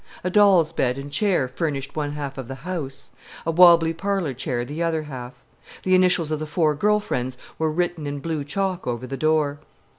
A doll's bed and chair furnished one half of the "house," a wobbly parlor chair the other half. The initials of the four girl friends were written in blue chalk over the door.